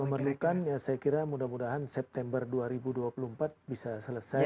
dan memerlukan ya saya kira mudah mudahan september dua ribu dua puluh empat bisa selesai